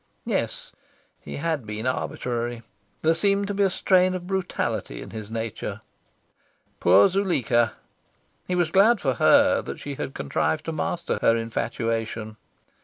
Yes, he had been arbitrary. There seemed to be a strain of brutality in his nature. Poor Zuleika! He was glad for her that she had contrived to master her infatuation...